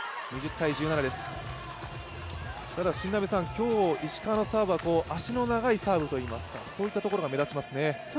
今日、石川のサーブは足の長いサーブといいますかそういったところが目立ちますね。